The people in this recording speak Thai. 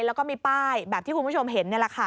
แล้วก็มีป้ายแบบที่คุณผู้ชมเห็นนี่แหละค่ะ